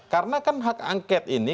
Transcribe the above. karena kan hak angket ini